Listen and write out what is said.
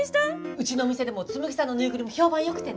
うちの店でも紬さんのぬいぐるみ評判良くてね。